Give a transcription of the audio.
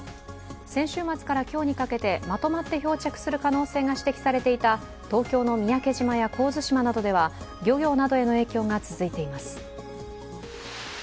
先週末から今日にかけて、まとまって漂着する可能性が指摘されていた東京の三宅島や神津島などでは漁業などへの影響が続いています。